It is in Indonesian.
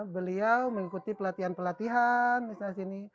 beliau mengikuti pelatihan pelatihan